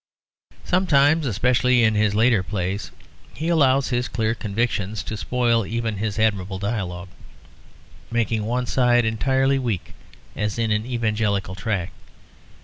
Sometimes, especially in his later plays, he allows his clear conviction to spoil even his admirable dialogue, making one side entirely weak, as in an Evangelical tract.